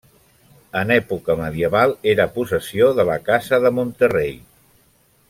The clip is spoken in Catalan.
En època medieval era possessió de la Casa de Monterrei.